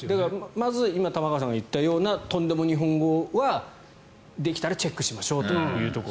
まず、今玉川さんが言ったようなとんでも日本語はできたらチェックしましょうというところ。